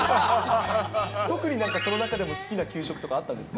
特になんかその中でも好きな給食とかあったんですか？